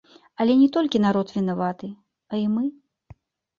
Але не толькі народ вінаваты, а і мы.